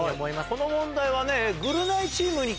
この問題はね。